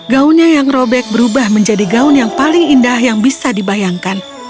gaunnya yang robek berubah menjadi gaun yang paling indah yang bisa dibayangkan